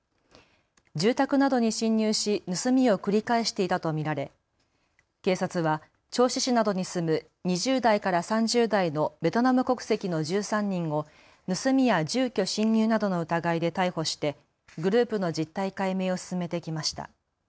住宅などに侵入し盗みを繰り返していたと見られ警察は銚子市などに住む２０代から３０代のベトナム国籍の１３人を盗みや住居侵入などの疑いで逮捕してグループの実態解明を進めてきました。